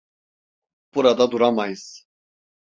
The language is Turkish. Burada duramayız.